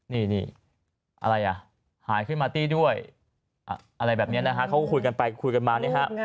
นี่อะไรอ่ะหายขึ้นมาตี้ด้วยอะไรแบบนี้นะฮะเขาก็คุยกันไปคุยกันมาเนี่ยฮะ